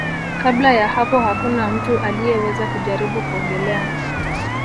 Kabla ya hapo hakuna mtu aliyeweza kujaribu kuogelea